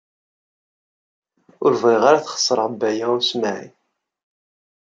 Ur bɣiɣ ara ad xeṣreɣ Baya U Smaɛil.